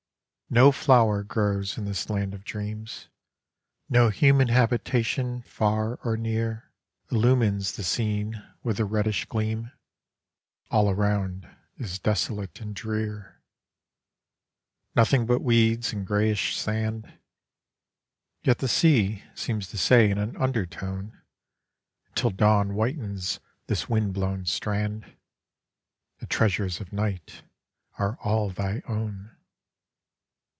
Uo TTxnrer grows in this land of dreams. Ho human habitation far or near Illumines the scene with a reddish gleam, All around is desolate and drear; Nothing but weeds and greyish sand Yet the sea seems to say in an undertone; Until dawn whitens this wind blown strand, The treasures of night are all thy own!